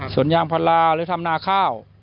สวนยางพันลาและทำนาข้าว